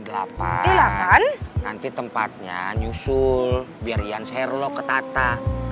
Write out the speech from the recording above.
tete tempatnya nyusul biar iyan share loh ke tata